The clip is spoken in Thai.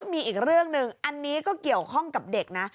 มีอีกเรื่องหนึ่งอันนี้ก็เกี่ยวข้องกับเด็กนะ